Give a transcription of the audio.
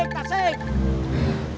kocong tasik tasik